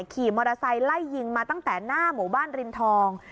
ขี่มอเตอร์ไซค์ไล่ยิงมาตั้งแต่หน้าหมู่บ้านริมทอง